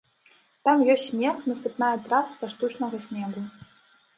Там ёсць снег, насыпная траса са штучнага снегу.